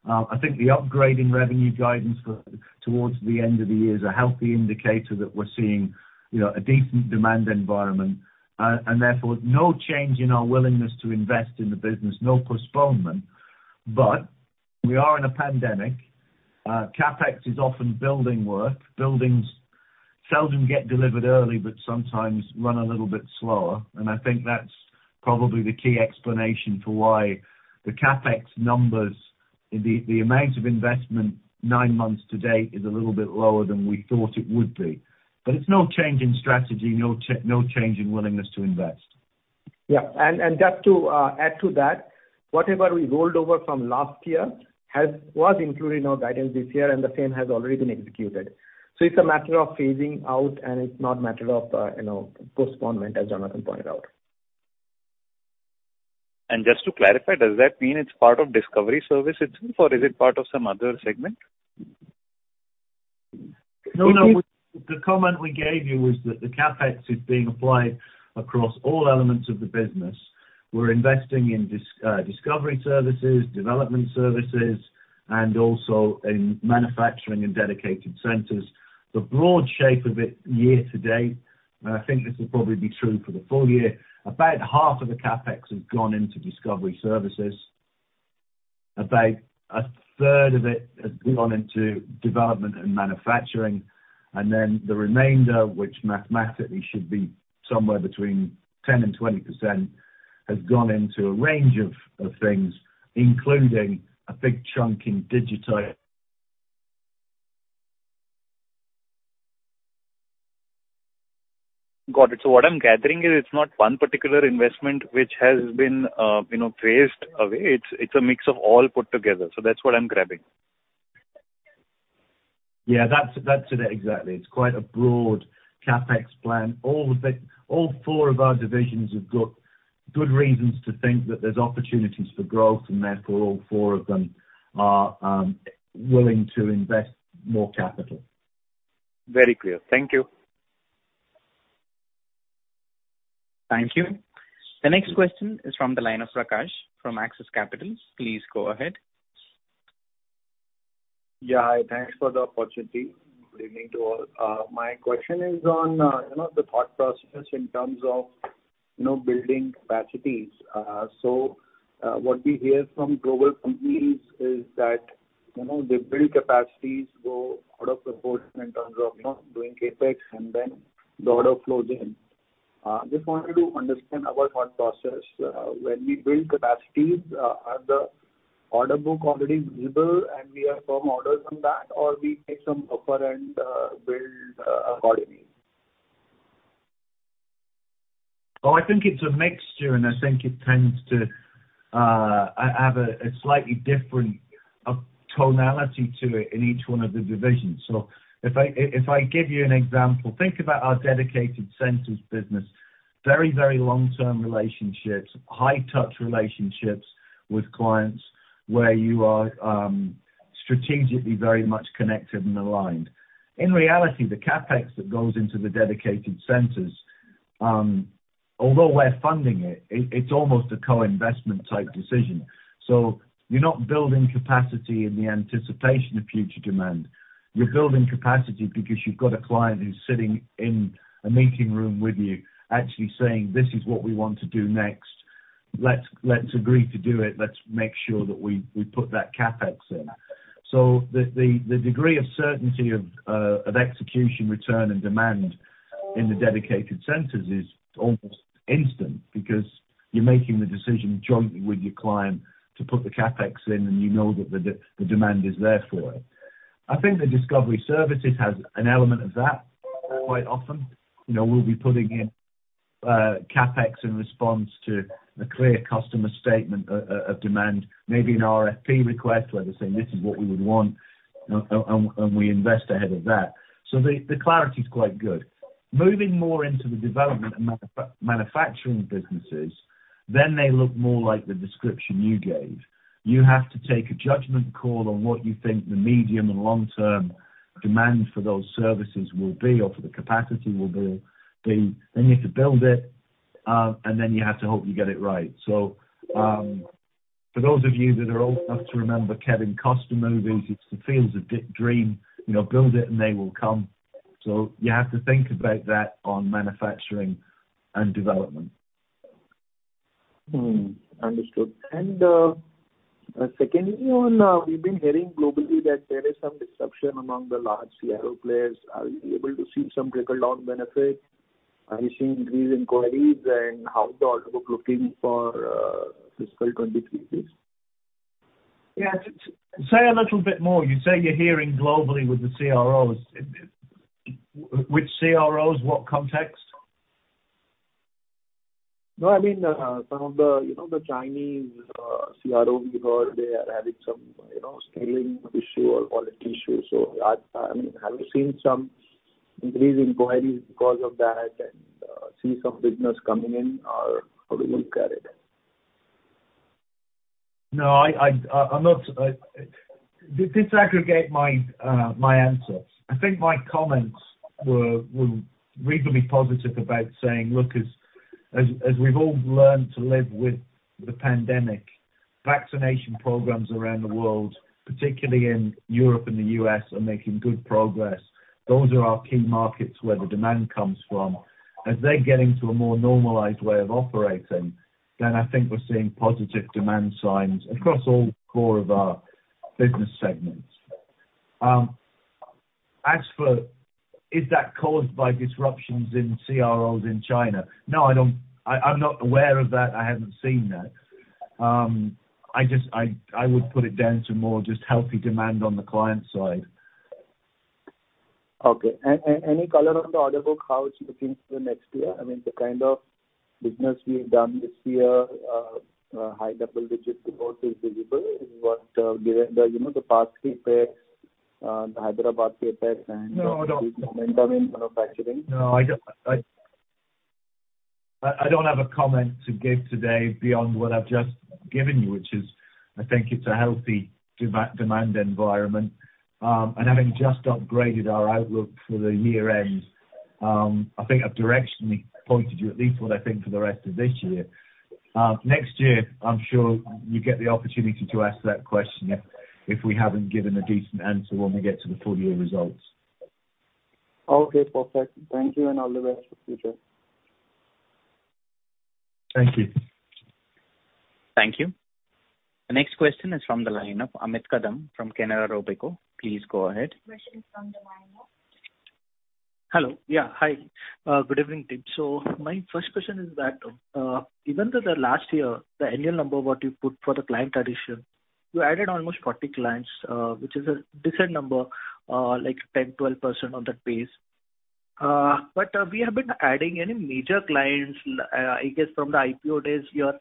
I think the upgrading revenue guidance for towards the end of the year is a healthy indicator that we're seeing, you know, a decent demand environment. Therefore, no change in our willingness to invest in the business, no postponement. But we are in a pandemic. CapEx is often building work. Buildings seldom get delivered early, but sometimes run a little bit slower. I think that's probably the key explanation to why the CapEx numbers, the amount of investment nine months to date is a little bit lower than we thought it would be. It's no change in strategy, no change in willingness to invest. Yeah. Just to add to that, whatever we rolled over from last year was included in our guidance this year, and the same has already been executed. It's a matter of phasing out, and it's not a matter of, you know, postponement, as Jonathan pointed out. Just to clarify, does that mean it's part of Discovery Services itself, or is it part of some other segment? No, no. The comment we gave you was that the CapEx is being applied across all elements of the business. We're investing in discovery services, development services, and also in manufacturing and dedicated centers. The broad shape of it year to date, and I think this will probably be true for the full year, about half of the CapEx has gone into Discovery Services. About a third of it has gone into development and manufacturing. The remainder, which mathematically should be somewhere between 10%-20%, has gone into a range of things, including a big chunk in digital. Got it. What I'm gathering is it's not one particular investment which has been, you know, phased away. It's a mix of all put together. That's what I'm grabbing. Yeah. That's it exactly. It's quite a broad CapEx plan. All four of our divisions have got good reasons to think that there's opportunities for growth, and therefore, all four of them are willing to invest more capital. Very clear. Thank you. Thank you. The next question is from the line of Prakash from Axis Capital. Please go ahead. Yeah. Hi. Thanks for the opportunity. Good evening to all. My question is on, you know, the thought process in terms of, you know, building capacities. So, what we hear from global companies is that, you know, they build capacities, go out of proportion in terms of, you know, doing CapEx and then the order flows in. Just wanted to understand about what process, when we build capacities, are the order book already visible and we have firm orders on that, or we take some offer and build accordingly? Oh, I think it's a mixture, and I think it tends to have a slightly different tonality to it in each one of the divisions. If I give you an example, think about our Dedicated Centers business. Very long-term relationships, high touch relationships with clients where you are strategically very much connected and aligned. In reality, the CapEx that goes into the Dedicated Centers, although we're funding it's almost a co-investment type decision. You're not building capacity in the anticipation of future demand. You're building capacity because you've got a client who's sitting in a meeting room with you actually saying, "This is what we want to do next. Let's agree to do it. Let's make sure that we put that CapEx in. The degree of certainty of execution, return and demand in the Dedicated Centers is almost instant because you're making the decision jointly with your client to put the CapEx in, and you know that the demand is there for it. I think the Discovery Services has an element of that quite often. You know, we'll be putting in CapEx in response to a clear customer statement of demand, maybe an RFP request where they're saying, "This is what we would want," and we invest ahead of that. The clarity is quite good. Moving more into the Development and Manufacturing businesses, then they look more like the description you gave. You have to take a judgment call on what you think the medium and long-term demand for those services will be or for the capacity will be. Then you have to build it, and then you have to hope you get it right. For those of you that are old enough to remember Kevin Costner movies, it's the Field of Dreams, you know, build it and they will come. You have to think about that on manufacturing and development. Mm-hmm. Understood. Secondly on, we've been hearing globally that there is some disruption among the large CRO players. Are you able to see some trickle down benefit? Are you seeing increased inquiries and how is the order book looking for fiscal 2023 please? Yeah. Say a little bit more. You say you're hearing globally with the CROs. Which CROs? What context? No, I mean, some of the, you know, the Chinese, CRO, we heard they are having some, you know, scaling issue or quality issue. So I mean, have you seen some increased inquiries because of that and, see some business coming in or how do you look at it? No, I'm not disaggregate my answers. I think my comments were reasonably positive about saying, look, as we've all learned to live with the pandemic, vaccination programs around the world, particularly in Europe and the U.S., are making good progress. Those are our key markets where the demand comes from. As they're getting to a more normalized way of operating, then I think we're seeing positive demand signs across all core of our business segments. As for, is that caused by disruptions in CROs in China? No, I don't. I'm not aware of that. I haven't seen that. I just, I would put it down to more just healthy demand on the client side. Okay. Any color on the order book, how it's looking for next year? I mean, the kind of business we've done this year, high double digits growth is visible. Given the past CapEx, you know, the Hyderabad CapEx and- No, I don't. momentum in manufacturing. No, I don't. I don't have a comment to give today beyond what I've just given you, which is, I think it's a healthy demand environment. Having just upgraded our outlook for the year end, I think I've directionally pointed you at least what I think for the rest of this year. Next year, I'm sure you get the opportunity to ask that question if we haven't given a decent answer when we get to the full year results. Okay. Perfect. Thank you and all the best for future. Thank you. Thank you. The next question is from the line of Amit Kadam from Canara Robeco. Please go ahead. question is from the line of Good evening, team. My first question is that even though last year, the annual number, what you put for the client addition, you added almost 40 clients, which is a decent number, like 10, 12% on that base. We haven't been adding any major clients, I guess from the IPO days, your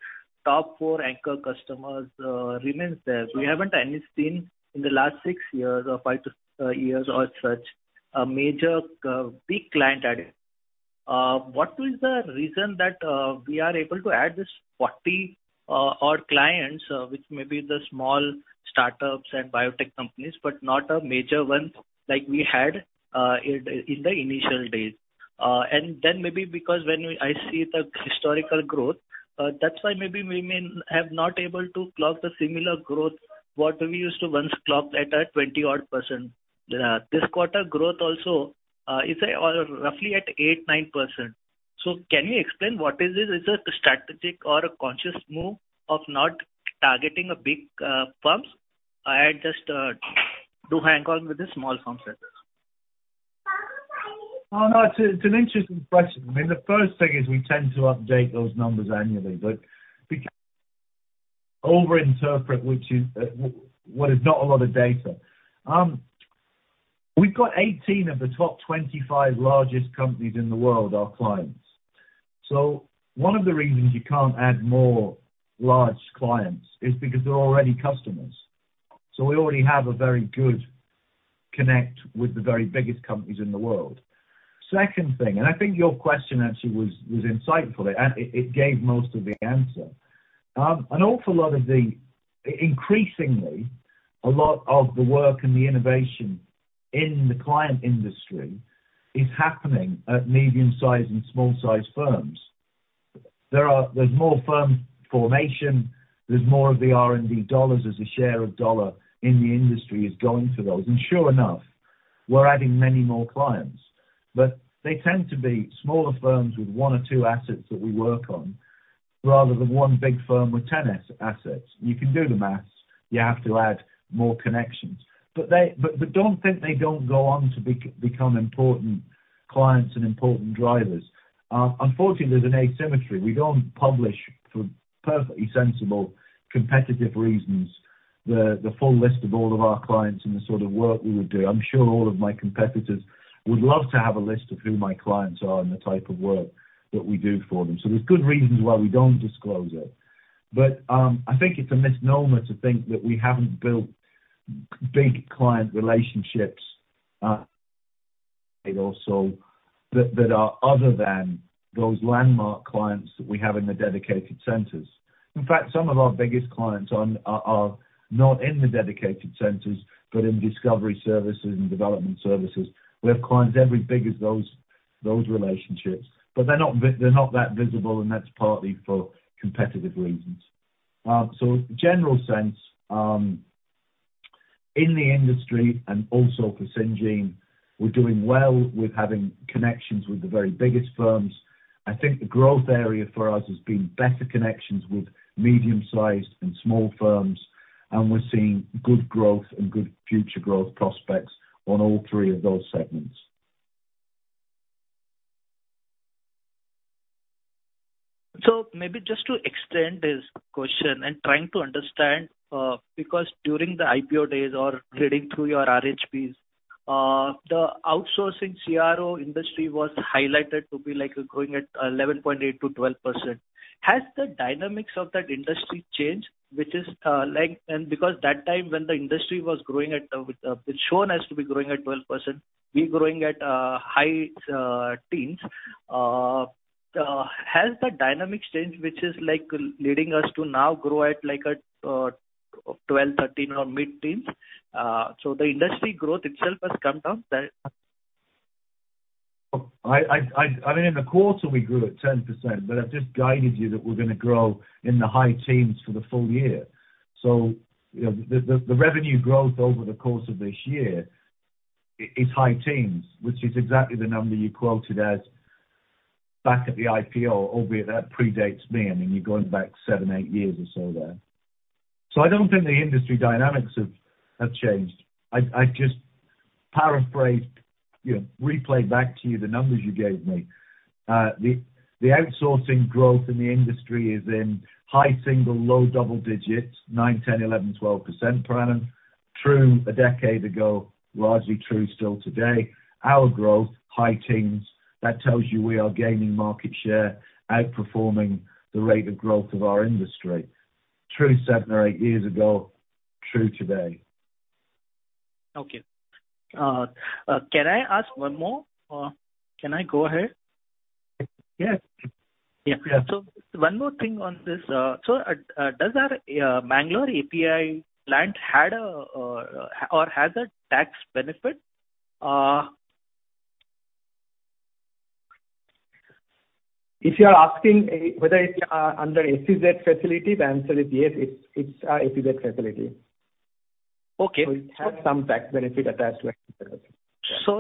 top four anchor customers remain there. We haven't seen any in the last 6 years or 5 to 6 years or so such a major big client adding. What is the reason that we are able to add this 40-odd clients, which may be the small startups and biotech companies, but not a major one like we had in the initial days? I see the historical growth, that's why maybe we may have not able to clock the similar growth, what we used to once clock at 20-odd%. This quarter growth also is at or roughly at 8-9%. Can you explain what is this? Is it a strategic or a conscious move of not targeting a big firms and just hang on with the small firms then? It's an interesting question. I mean, the first thing is we tend to update those numbers annually. But before you over-interpret, which is what is not a lot of data. We've got 18 of the top 25 largest companies in the world are clients. So one of the reasons you can't add more large clients is because they're already customers. So we already have a very good connect with the very biggest companies in the world. Second thing, I think your question actually was insightful. It gave most of the answer. An awful lot of the work and the innovation in the client industry is happening at medium-sized and small-sized firms. There's more firm formation. There's more of the R&D dollars as a share of dollar in the industry is going to those. We're adding many more clients. They tend to be smaller firms with one or two assets that we work on rather than one big firm with 10 assets. You can do the math. You have to add more connections. Don't think they don't go on to become important clients and important drivers. Unfortunately, there's an asymmetry. We don't publish for perfectly sensible competitive reasons the full list of all of our clients and the sort of work we would do. I'm sure all of my competitors would love to have a list of who my clients are and the type of work that we do for them. There's good reasons why we don't disclose it. I think it's a misnomer to think that we haven't built big client relationships, and also that are other than those landmark clients that we have in the Dedicated Centers. In fact, some of our biggest clients are not in the Dedicated Centers, but in Discovery Services and Development Services. We have clients every bit as big as those relationships. They're not that visible, and that's partly for competitive reasons. In the industry and also for Syngene, we're doing well with having connections with the very biggest firms. I think the growth area for us has been better connections with medium-sized and small firms, and we're seeing good growth and good future growth prospects on all three of those segments. Maybe just to extend this question and trying to understand, because during the IPO days or reading through your RHPs, the outsourcing CRO industry was highlighted to be like growing at 11.8%-12%. Has the dynamics of that industry changed, which is like and because that time when the industry was growing at, it's shown as to be growing at 12%, we're growing at high teens%. Has the dynamics changed, which is like leading us to now grow at like a 12%, 13% or mid-teens%. The industry growth itself has come down then? I mean, in the quarter we grew at 10%, but I've just guided you that we're gonna grow in the high teens for the full year. You know, the revenue growth over the course of this year is high teens, which is exactly the number you quoted as back at the IPO, albeit that predates me. I mean, you're going back seven, eight years or so there. I don't think the industry dynamics have changed. I've just paraphrased, you know, replayed back to you the numbers you gave me. The outsourcing growth in the industry is in high single, low double digits, 9, 10, 11, 12% per annum. True a decade ago, largely true still today. Our growth, high teens, that tells you we are gaining market share, outperforming the rate of growth of our industry. True seven or eight years ago, true today. Okay. Can I ask one more? Can I go ahead? Yes. Yeah. Yeah. One more thing on this. Does our Bangalore API plant have a tax benefit? If you are asking whether it's under SEZ facility, the answer is yes, it's a SEZ facility. Okay. It has some tax benefit attached to it.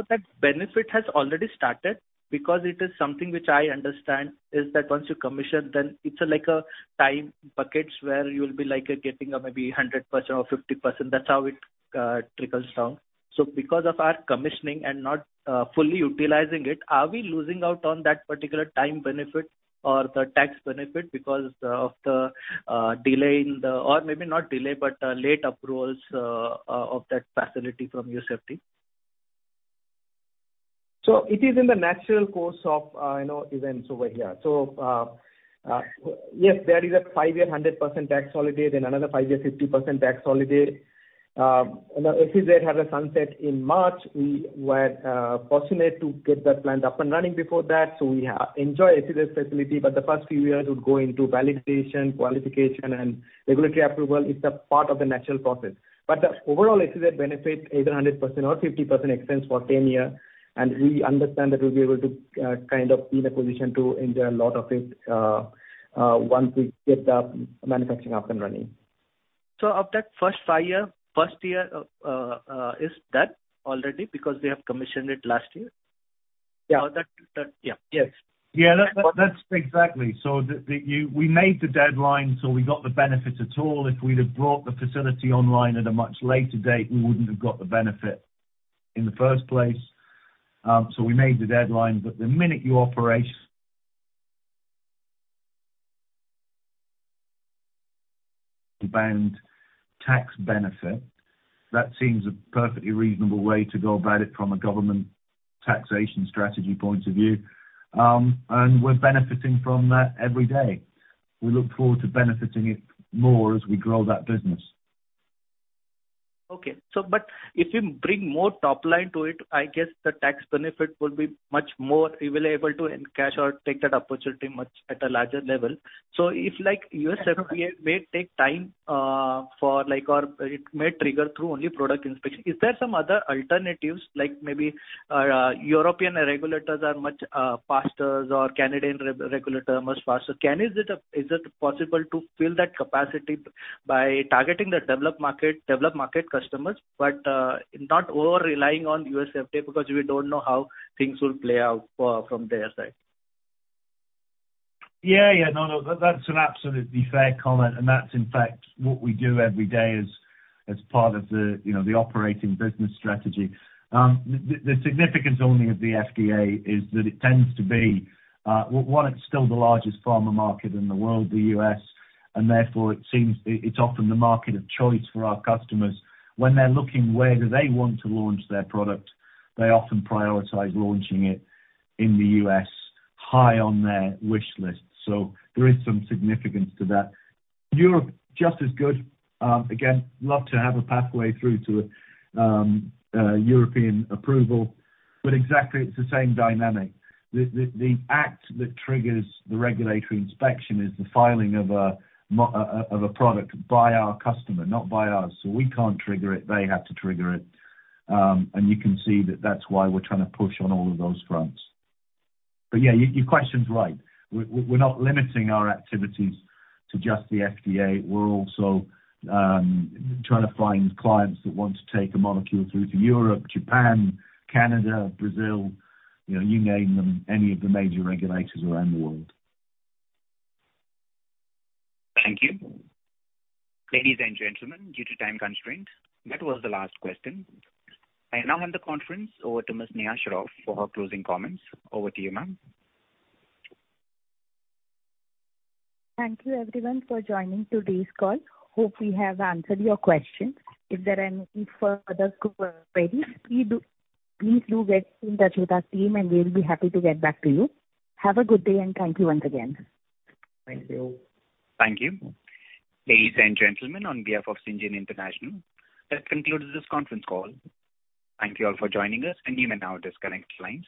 That benefit has already started because it is something which I understand is that once you commission, then it's like a time buckets where you'll be like getting maybe 100% or 50%. That's how it trickles down. Because of our commissioning and not fully utilizing it, are we losing out on that particular time benefit or the tax benefit because of the delay in the or maybe not delay, but late approvals of that facility from USFDA? It is in the natural course of, you know, events over here. Yes, there is a 5-year 100% tax holiday, then another 5-year 50% tax holiday. The SEZ had a sunset in March. We were fortunate to get that plant up and running before that. We enjoy SEZ facility, but the first few years would go into validation, qualification and regulatory approval. It's a part of the natural process. The overall SEZ benefit is a 100% or 50% exemption for 10 years, and we understand that we'll be able to kind of be in a position to enjoy a lot of it once we get the manufacturing up and running. Of that first year, is that already because we have commissioned it last year? Yeah. That, yeah. Yes. That's exactly. We made the deadline, so we got the benefit at all. If we'd have brought the facility online at a much later date, we wouldn't have got the benefit in the first place. The minute you operate and tax benefit, that seems a perfectly reasonable way to go about it from a government taxation strategy point of view. We're benefiting from that every day. We look forward to benefiting it more as we grow that business. If you bring more top line to it, I guess the tax benefit will be much more. We will be able to encash or take that opportunity much at a larger level. If USFDA may take time, or it may trigger through only product inspection. Is there some other alternatives like maybe European regulators are much faster or Canadian regulators are much faster? Is it possible to fill that capacity by targeting the developed market, developed market customers, but not over-relying on USFDA because we don't know how things will play out from their side? Yeah, yeah. No, no, that's an absolutely fair comment, and that's in fact what we do every day as part of the, you know, the operating business strategy. The significance only of the FDA is that it tends to be one, it's still the largest pharma market in the world, the U.S., and therefore it seems, it's often the market of choice for our customers. When they're looking where do they want to launch their product, they often prioritize launching it in the U.S. high on their wish list. There is some significance to that. Europe, just as good. Again, love to have a pathway through to a European approval, but exactly it's the same dynamic. The act that triggers the regulatory inspection is the filing of a product by our customer, not by us. We can't trigger it. They have to trigger it. You can see that that's why we're trying to push on all of those fronts. Yeah, your question's right. We're not limiting our activities to just the FDA. We're also trying to find clients that want to take a molecule through to Europe, Japan, Canada, Brazil. You know, you name them, any of the major regulators around the world. Thank you. Ladies and gentlemen, due to time constraints, that was the last question. I now hand the conference over to Ms. Neha Shroff for her closing comments. Over to you, ma'am. Thank you, everyone, for joining today's call. Hope we have answered your questions. If there are any further queries, please do get in touch with our team, and we'll be happy to get back to you. Have a good day, and thank you once again. Thank you. Thank you. Ladies and gentlemen, on behalf of Syngene International, that concludes this conference call. Thank you all for joining us. You may now disconnect lines.